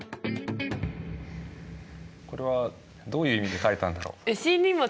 これはどういう意味で書いたんだろう。